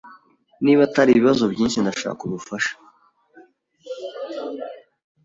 Niba atari ibibazo byinshi, ndashaka ubufasha.